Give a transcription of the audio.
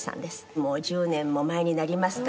もう１０年も前になりますか。